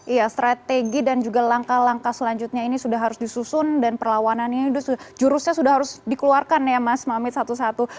iya strategi dan juga langkah langkah selanjutnya ini sudah harus disusun dan perlawanannya jurusnya sudah harus dikeluarkan ya mas mamit satu satu